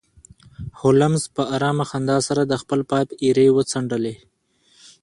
هولمز په ارامه خندا سره د خپل پایپ ایرې وڅنډلې